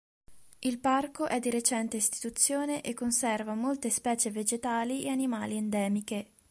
Il parco è di recente istituzione e conserva molte specie vegetali e animali endemiche.